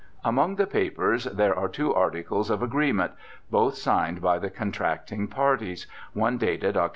Among the papers there are two articles of agree ment, both signed by the contracting parties, one dated Oct.